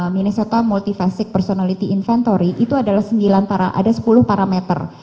minnesota multifacet personality inventory itu adalah sembilan ada sepuluh parameter